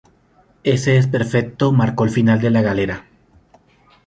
Ese desperfecto, marcó el final de La Galera.